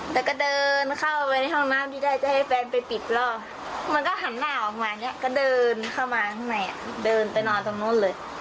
แล้วก็เดินเข้าไปในห้องน้ำที่ได้จะให้แฟนไปปิดรอบมันก็หันหน้าออกมาเนี่ยก็เดินเข้ามาข้างในเดินไปนอนตรงนู้นเลย